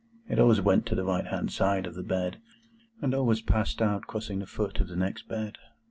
It always went to the right hand side of the bed, and always passed out crossing the foot of the next bed.